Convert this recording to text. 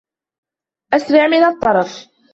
أسرع من الطرف